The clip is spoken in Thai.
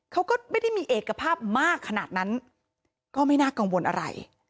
เขาก็ไม่ได้มีเอกภาพมากขนาดนั้นก็ไม่น่ากังวลอะไร